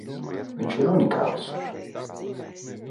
Viņš ir unikāls!